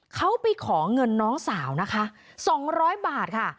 เขาไปของเงินน้องสาวนะคะสองร้อยบาทค่ะ